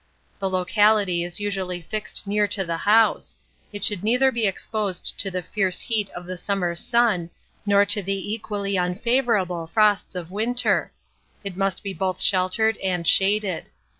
The locality is usually fixed near to the house; it should neither be exposed to the fierce heat of the summer's sun nor to the equally unfavourable frosts of winter it must be both sheltered and shaded.